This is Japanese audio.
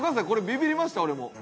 ビビりました俺も。